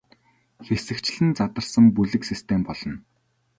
Хэсэгчлэн задарсан бүлэг систем болно.